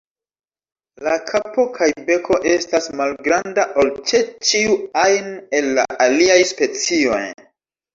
La kapo kaj beko estas malgranda ol ĉe ĉiu ajn el la aliaj specioj.